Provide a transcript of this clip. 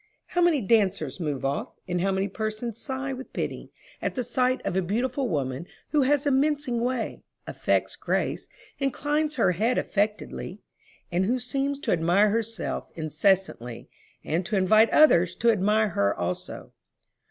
How many dancers move off, and how many persons sigh with pity, at the sight of a beautiful woman who has a mincing way, affects grace, inclines her head affectedly, and who seems to admire herself incessantly, and to invite others to admire her also.